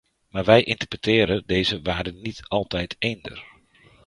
Maar wij interpreteren deze waarden niet altijd eender.